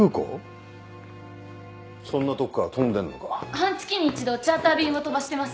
半月に一度チャーター便を飛ばしてます。